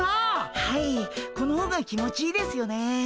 はいこの方が気持ちいいですよね。